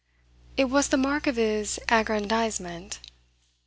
It was the mark of his aggrandisement.